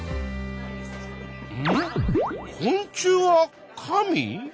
「昆虫は神」？